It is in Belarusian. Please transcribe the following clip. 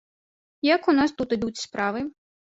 Як у нас тут ідуць справы?